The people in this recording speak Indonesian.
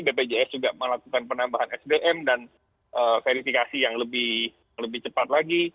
bpjs juga melakukan penambahan sdm dan verifikasi yang lebih cepat lagi